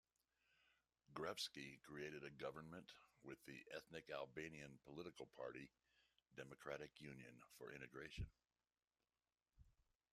Gruevski created a government with the ethnic Albanian political party Democratic Union for Integration.